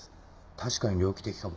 確かに猟奇的かも。